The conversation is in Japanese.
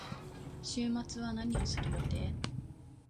週末は何をする予定？